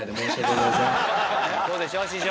そうでしょう師匠。